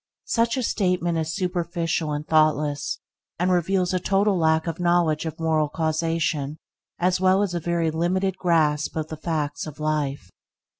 Such a statement is superficial and thoughtless, and reveals a total lack of knowledge of moral causation, as well as a very limited grasp of the facts of life.